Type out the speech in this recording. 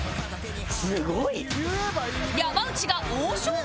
すごい！